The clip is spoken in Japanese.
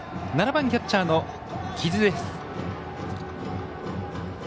７番キャッチャーの木津です。